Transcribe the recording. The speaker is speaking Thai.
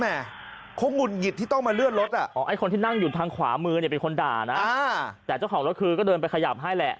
แต่เจ้าของรถคืนก็เดินไปขยับให้แหละ